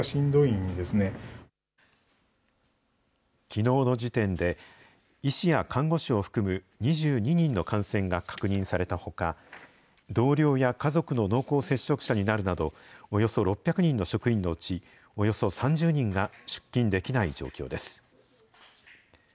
きのうの時点で、医師や看護師を含む２２人の感染が確認されたほか、同僚や家族の濃厚接触者になるなど、およそ６００人の職員のうち、およそ３０人が出勤できない状況です。